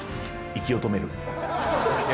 息を止める。